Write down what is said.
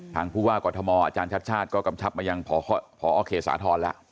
ทางผู้ว่ากวทมอาจารย์ชาติชาติก็กำชับมาอย่างพอโอเคสาธรณ์แล้ว